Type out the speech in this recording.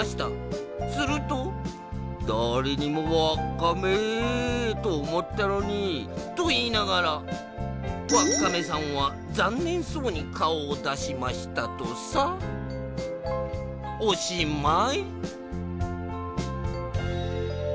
すると「だれでもわっカンメーとおもったのに」といいながらわっカメさんはざんねんそうにかおをだしましたとさ。おしまい。